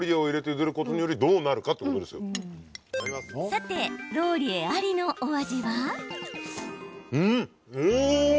さて、ローリエありのお味は？